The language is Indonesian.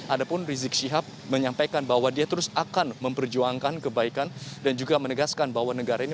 ada pun rizik syihab menyampaikan bahwa dia terus akan memperjuangkan kebaikan dan juga menegaskan bahwa negara ini